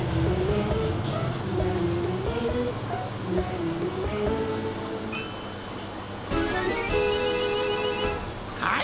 「なにみえるなにみえる」「ひらめき」はい！